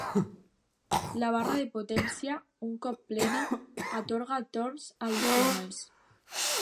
La barra de potència, un cop plena, atorga torns addicionals.